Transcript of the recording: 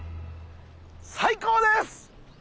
最高です！